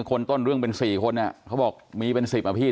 คนต้นเรื่องเป็นสี่คนเนี้ยเขาบอกมีเป็นสิบอ่ะพี่